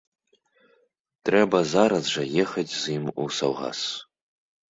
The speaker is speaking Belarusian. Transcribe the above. Трэба зараз жа ехаць з ім у саўгас.